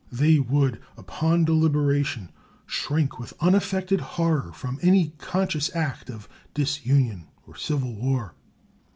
They would upon deliberation shrink with unaffected horror from any conscious act of disunion or civil war.